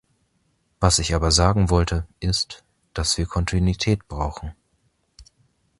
Was ich aber sagen wollte, ist, dass wir Kontinuität brauchen.